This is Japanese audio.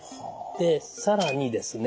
で更にですね